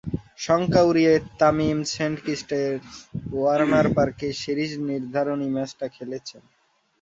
শঙ্কা উড়িয়ে তামিম সেন্ট কিটসের ওয়ার্নার পার্কে সিরিজ নির্ধারণী ম্যাচটা খেলেছেন।